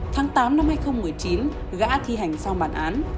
tháng tám năm hai nghìn một mươi chín gã thi hành xong bản án